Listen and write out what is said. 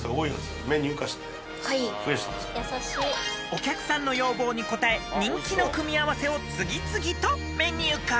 ［お客さんの要望に応え人気の組み合わせを次々とメニュー化］